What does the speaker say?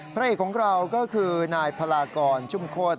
พระเอกของเราก็คือนายพลากรชุ่มโคตร